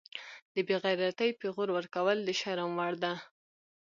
د بیغیرتۍ پیغور ورکول د شرم وړ دي